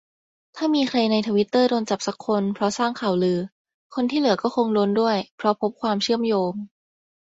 ถ้ามีใครในทวิตเตอร์โดนจับซักคน เพราะสร้างข่าวลือ คนที่เหลือก็คงโดนด้วย เพราะพบ"ความเชื่อมโยง"